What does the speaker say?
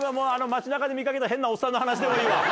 街中で見掛けた変なおっさんの話でもいいわ。